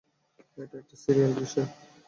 এটা একটা সিরিয়াস বিষয়।